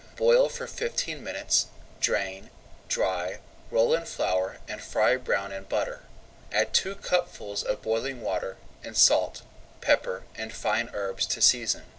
Boil for fifteen minutes, drain, dry, roll in flour and fry brown in butter. Add two cupfuls of boiling water, and salt, pepper, and fine herbs to season.